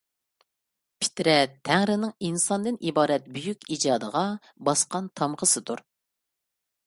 پىترەت تەڭرىنىڭ ئىنساندىن ئىبارەت بۈيۈك ئىجادىغا باسقان تامغىسىدۇر.